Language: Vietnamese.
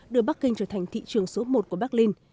đưa bắc kinh trở thành thị trường số một của berlin